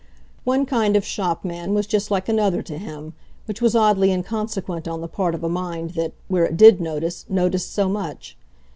One kind of shopman was just like another to him which was oddly inconsequent on the part of a mind that, where it did notice, noticed so much.